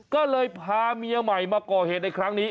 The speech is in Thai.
ก็เลยพาเมียใหม่มาก่อเหตุในครั้งนี้